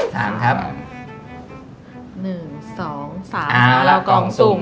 ตาเล็ก